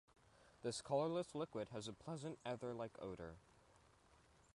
This colorless liquid has a pleasant ether-like odor.